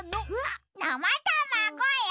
なまたまごよ。